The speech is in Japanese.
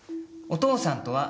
お父さんは。